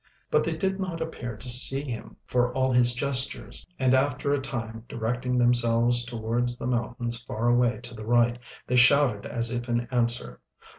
But they did not appear to see him for all his gestures, and after a time, directing themselves towards the mountains far away to the right, they shouted as if in answer.